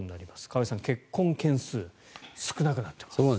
河合さん、結婚件数少なくなっています。